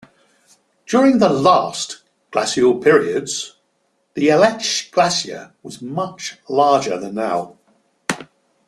During the last glacial periods, the Aletsch Glacier was much larger than now.